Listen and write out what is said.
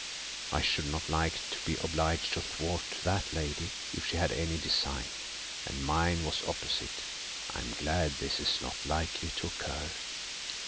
I should not like to be obliged to thwart that lady if she had any design, and mine was opposite. I am glad this is not likely to occur.